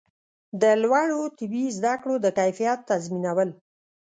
د لوړو طبي زده کړو د کیفیت تضمینول